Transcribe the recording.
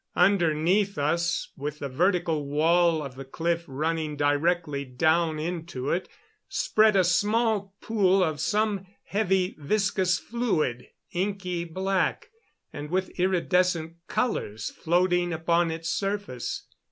Underneath us, with the vertical wall of the cliff running directly down into it, spread a small pool of some heavy, viscous fluid, inky black, and with iridescent colors floating upon its surface.